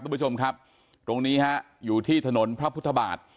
คุณผู้ชมครับตรงนี้ฮะอยู่ที่ถนนพระพุทธบาท